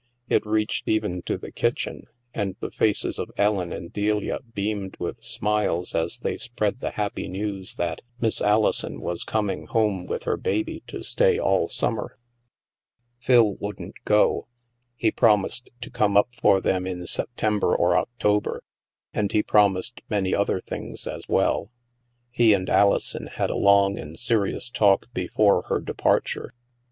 It reached even to the kitchen, and the faces of Ellen and Delia beamed with smiles as they spread the happy news that " Miss Alison was com ing home with her baby to stay all summer." 212 THE MASK Phil wouldn't go. He promised to come up for them in September or October, and he promised many other things as well. He and Alison had a long and serious talk before her departure.